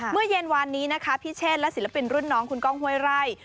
เมื่อเย็นวานนี้นะคะพี่เชษและศิลปินรุ่นน้องคุณก้องห้วยไร่